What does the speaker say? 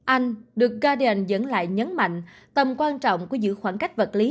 anh được garden dẫn lại nhấn mạnh tầm quan trọng của giữ khoảng cách vật lý